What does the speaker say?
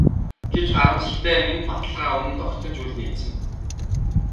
Гэвч харамсалтай нь энэ баталгаа үнэнд огтхон ч үл нийцнэ.